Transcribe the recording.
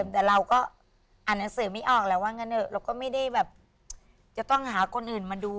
แต่เราก็อ่านหนังสือไม่ออกแล้วว่างั้นเถอะเราก็ไม่ได้แบบจะต้องหาคนอื่นมาดู